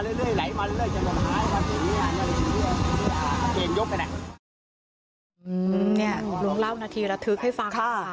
อืมเนี่ยลุงเล่านาทีแล้วทึกให้ฟังค่ะ